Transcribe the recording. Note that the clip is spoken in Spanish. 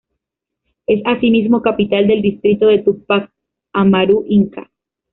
Es asimismo capital del distrito de Tupac Amaru Inca.